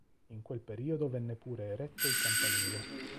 In quel periodo venne pure eretto il campanile.